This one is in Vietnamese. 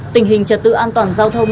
tình hình trật tự an toàn giao thông